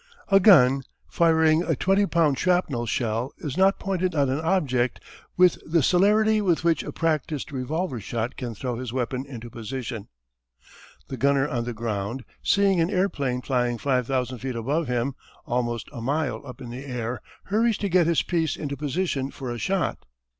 A gun firing a twenty pound shrapnel shell is not pointed on an object with the celerity with which a practised revolver shot can throw his weapon into position. The gunner on the ground seeing an airplane flying five thousand feet above him almost a mile up in the air hurries to get his piece into position for a shot.